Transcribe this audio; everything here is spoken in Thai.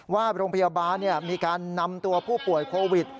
ว่าโรงพยาบาลมีการนำตัวผู้ป่วยโควิด